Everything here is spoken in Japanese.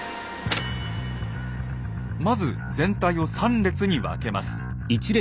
まず全体を３列に分けます。